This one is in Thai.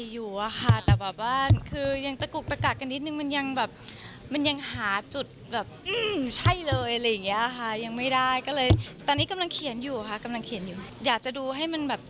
อยากจะดูให้มันโตขึ้นนิดหนึ่งอะไรอย่างนี้ค่ะ